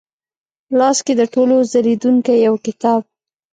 لاس کې د ټولو ځلېدونکې یوکتاب،